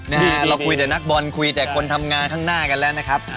นะฮะเราคุยแต่นักบอลคุยแต่คนทำงานข้างหน้ากันแล้วนะครับ